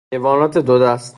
حیوانات دو دست